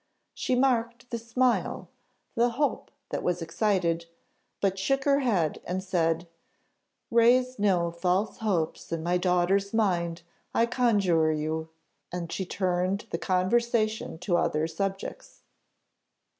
She marked the smile, the hope that was excited, but shook her head, and said, "Raise no false hopes in my daughter's mind, I conjure you;" and she turned the conversation to other subjects.